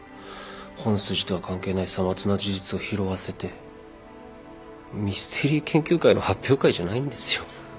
本筋とは関係ないさまつな事実を拾わせてミステリー研究会の発表会じゃないんですよ。